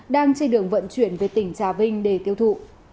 đang trên đường vận chuyển về tỉnh trà vinh để tiêu thụ